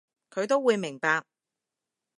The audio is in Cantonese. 佢都會明白